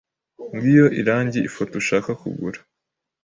Ngiyo irangi ifoto ushaka kugura.